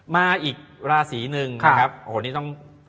มาอีกราศีหนึ่งนะครับโอ้โหนี่ต้อง